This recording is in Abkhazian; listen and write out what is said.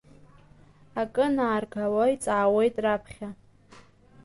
Акы анааргауа иҵаауеит раԥхьа.